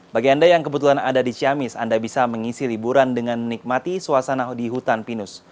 bagi anda yang kebetulan ada di ciamis anda bisa mengisi liburan dengan menikmati suasana di hutan pinus